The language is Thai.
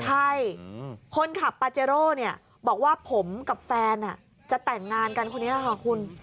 ใช่คนขับปาเจโร่เนี่ยบอกว่าผมกับแฟนจะแต่งงานกันคนนี้ค่ะคุณ